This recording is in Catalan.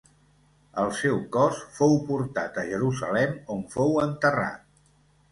El seu cos fou portat a Jerusalem on fou enterrat.